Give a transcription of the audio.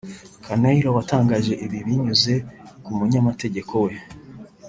Carneiro watangaje ibi binyuze ku munyamategeko we